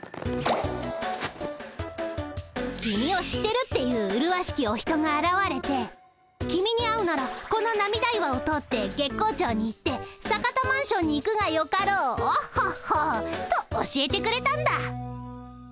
君を知ってるっていううるわしきお人があらわれて君に会うならこの涙岩を通って月光町に行って坂田マンションに行くがよかろうオッホッホッと教えてくれたんだ。